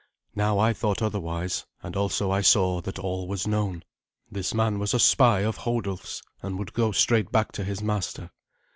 Now I thought otherwise, and also I saw that all was known. This man was a spy of Hodulf's, and would go straight back to his master.